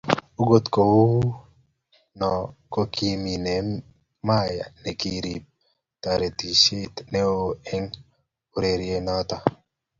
Ogot ko uu noe ko ki Neymar ne kiibu toretishe ne oo eng urerionoto.